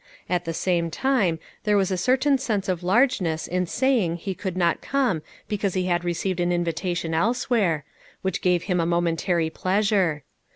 At the same time there was a certain sense of largeness in saying he could not come because he had received an invitation elsewhere, which gave him a momentary pleas ure.